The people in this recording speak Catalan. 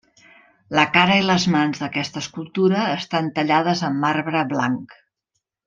La cara i les mans d'aquesta escultura estan tallades en marbre blanc.